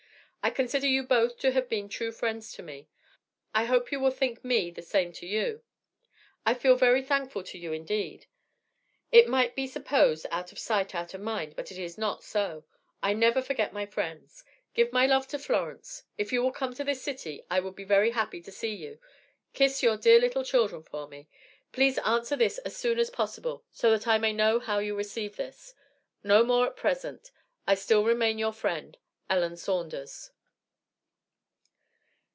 I consider you both to have been true friends to me. I hope you will think me the same to you. I feel very thankful to you indeed. It might been supposed, out of sight out of mind, but it is not so. I never forget my friends. Give my love to Florence. If you come to this city I would be very happy to see you. Kiss your dear little children for me. Please to answer this as soon as possible, so that I may know you received this. No more at present. I still remain your friend, ELLEN SAUNDERS.